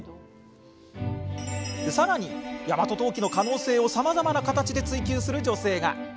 さらに、大和当帰の可能性をさまざまな形で追求する女性が。